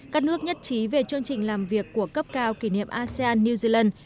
các nước nhất trí về chương trình làm việc của cấp cao kỷ niệm asean new zealand